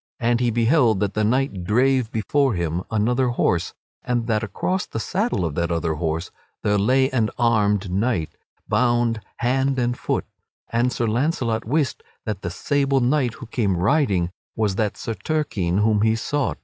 And he beheld that this knight drave before him another horse, and that across the saddle of that other horse there lay an armed knight, bound hand and foot; and Sir Launcelot wist that the sable knight who came riding was that Sir Turquine whom he sought.